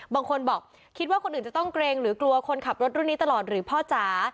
บางคนบอกคิดว่าคนอื่นจะต้องเกรงหรือกลัวคนขับรถรุ่นนี้ตลอดหรือพ่อจ๋า